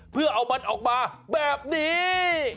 เพื่อเอามันออกมาแบบนี้